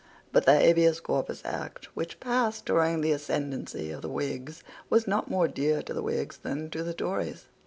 But the Habeas Corpus Act, though passed during the ascendency of the Whigs, was not more dear to the Whigs than to the Tories.